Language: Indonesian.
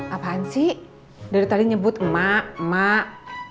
apaan sih dari tadi nyebut emak emak